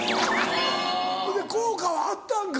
それで効果はあったんか？